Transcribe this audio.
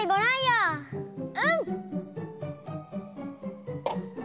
うん！